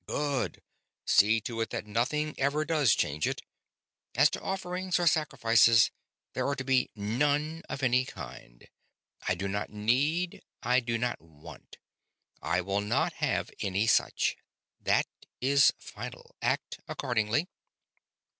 "Good! See to it that nothing ever does change it. As to offerings or sacrifices, there are to be none, of any kind. I do not need, I do not want, I will not have any such. That is final. Act accordingly."